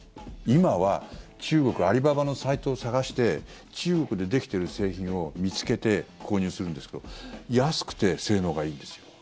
今は中国はアリババのサイトを探して中国でできている製品を見つけて購入するんですけど安くて性能がいいんですよ。